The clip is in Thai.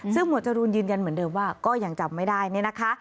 ซึ่งหมวดจรูนยืนยันเหมือนเดิมว่าก็ยังจำไม่ได้เนี่ยนะคะ